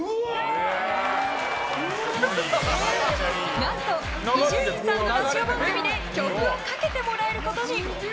何と伊集院さんのラジオ番組で曲をかけてもらえることに。